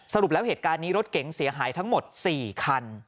สรุปแล้วเหตุการณ์นี้รถเก๋งเสียหายทั้งหมด๔คัน